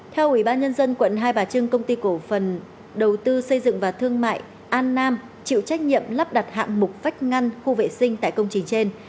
theo ủy ban nhân dân quận hai bà trưng công ty cổ phần đầu tư xây dựng và thương mại an nam chịu trách nhiệm lắp đặt hạng mục vách ngăn khu vệ sinh tại công trình trên